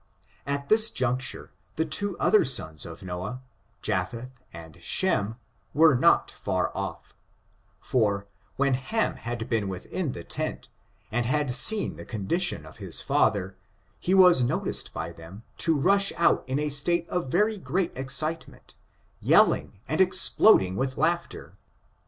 At this juncture, the two other sons of Noah, Japheth and Shem, were not far off; for, when Ham had been within the tent, and had seen the condition of his father, he was noticed by them to rush out in a state of very great excitement, yel ling and exploding with laughter.